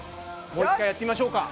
もう１回やってみましょうか。